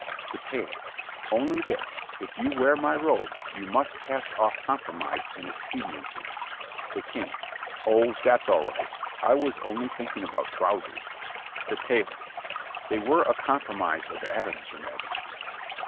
THE TAILOR Only this: if you wear my robe you must cast off compromise and expediency. THE KING Oh, that's all right. I was only thinking about trousers. THE TAILOR They were a compromise of Adam's, your majesty.